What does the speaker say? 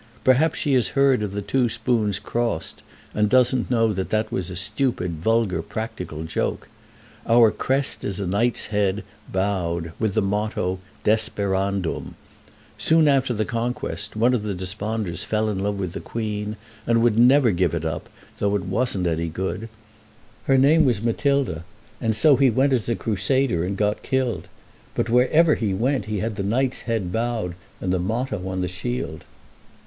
Perhaps she has heard of the two spoons crossed, and doesn't know that that was a stupid vulgar practical joke. Our crest is a knight's head bowed, with the motto, 'Desperandum.' Soon after the Conquest one of the Desponders fell in love with the Queen, and never would give it up, though it wasn't any good. Her name was Matilda, and so he went as a Crusader and got killed. But wherever he went he had the knight's head bowed, and the motto on the shield."